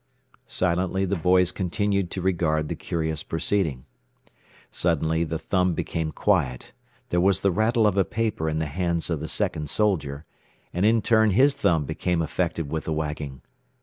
Silently the boys continued to regard the curious proceeding. Suddenly the thumb became quiet, there was the rattle of a paper in the hands of the second soldier, and in turn his thumb became affected with the wagging.